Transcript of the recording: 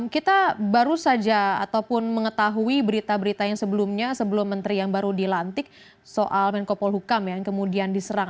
kita baru saja ataupun mengetahui berita berita yang sebelumnya sebelum menteri yang baru dilantik soal menko polhukam yang kemudian diserang